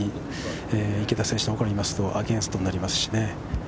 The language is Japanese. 池田選手から見ますとアゲンストになりますね。